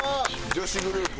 女子グループ。